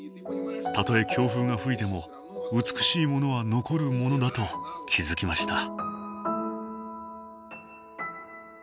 たとえ強風が吹いても美しいものは残るものだと気付きました。